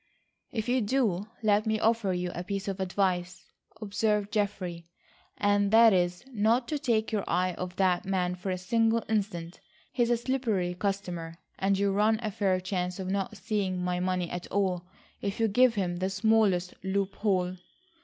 "If you do, let me offer you a piece of advice," observed Geoffrey, "and that is not to take your eye off that man for a single instant. He is a slippery customer, and you run a fair chance of not seeing my money at all, if you give him the smallest loophole."